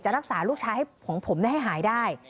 จะรักษาลูกชายของผมได้ให้หายได้